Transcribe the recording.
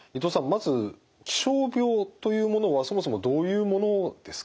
まず気象病というものはそもそもどういうものですか？